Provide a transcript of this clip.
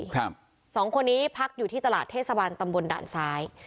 ครับสองคนนี้พักอยู่ที่ตลาดเทศบาลตำบลด่านซ้าย